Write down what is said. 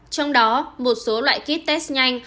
trong đó một số loại kit test nhanh